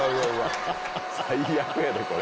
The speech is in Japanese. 最悪やでこれ。